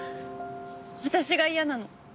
私が嫌なの。